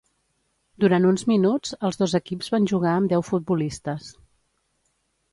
Durant uns minuts els dos equips van jugar amb deu futbolistes.